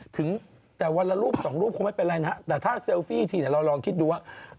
ถึงแต่วันละรูปสองรูปคงไม่เป็นไรนะแต่ถ้าเซลฟี่ทีเราลองคิดดูว่า